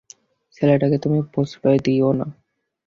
ছেলেটাকে তুমি প্রশ্রয় দিয়ো না।